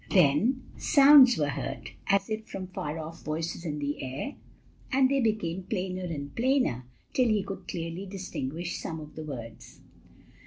Then sounds were heard, as if from far off voices in the air, and they became plainer and plainer, till he could clearly distinguish some of the words.